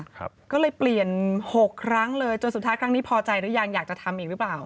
ก็เลยเปลี่ยนหกครั้งเลยจนสุดท้ายครั้งนี้พอใจหรือยังอยากจะทำอีกหรือเปล่า